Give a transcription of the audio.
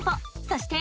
そして。